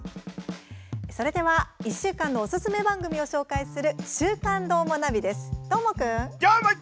それでは１週間のおすすめ番組を紹介する「週刊どーもナビ」です。